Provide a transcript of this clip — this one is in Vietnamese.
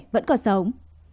vẫn còn sống